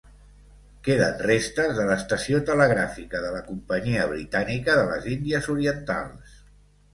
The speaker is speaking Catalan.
Queden restes de l'estació telegràfica de la Companyia Britànica de les Índies Orientals.